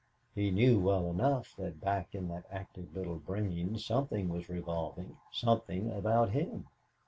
He knew well enough that back in that active little brain something was revolving something about him.